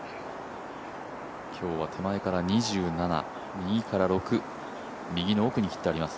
今日は手前から２７、右から６右の奥に切ってあります。